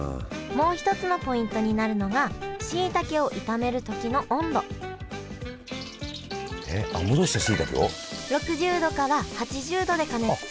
もう一つのポイントになるのがしいたけを炒める時の温度えっ戻したしいたけを？